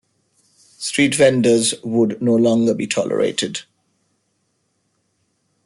Street vendors would be no longer be tolerated.